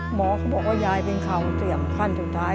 หมอเขาบอกว่ายายเป็นเข่าเสี่ยมขั้นสุดท้าย